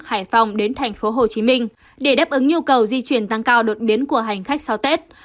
hải phòng đến tp hcm để đáp ứng nhu cầu di chuyển tăng cao đột biến của hành khách sau tết